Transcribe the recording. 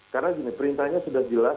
karena gini perintahnya sudah jelas